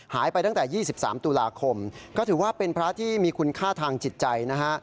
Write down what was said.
หายไปตั้งแต่๒๓ตุลาคมก็ถือว่าเป็นพระที่มีคุณค่าทางจิตใจนะฮะ